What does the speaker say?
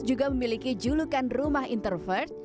juga memiliki julukan rumah interfat